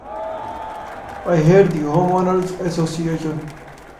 I hate the Homeowners' Association.